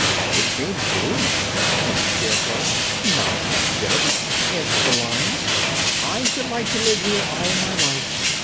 "It seems gloomy," said the Scarecrow. "Not a bit of it," answered the Lion. "I should like to live here all my life.